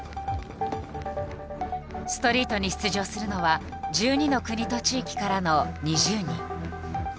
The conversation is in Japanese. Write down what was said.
ストリートに出場するのは１２の国と地域からの２０人。